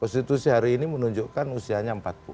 konstitusi hari ini menunjukkan usianya empat puluh